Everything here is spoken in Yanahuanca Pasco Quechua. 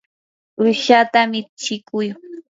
uushata michikuy.